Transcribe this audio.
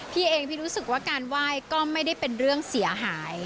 พี่เองพี่รู้สึกว่าการไหว้ก็ไม่ได้เป็นเรื่องเสียหาย